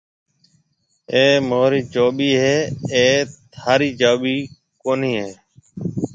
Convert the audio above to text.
اَي مهاري چاٻِي هيَ، اَي ٿاري چاٻِي ڪونَي هيَ۔